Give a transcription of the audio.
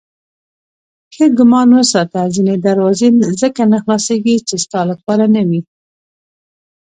ښه ګمان وساته ځینې دروازې ځکه نه خلاصېدې چې ستا لپاره نه وې.